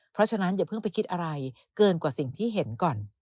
เพราะฉะนั้นอย่าเพิ่งไปคิดอะไรเกินกว่าสิ่งที่เห็นก่อน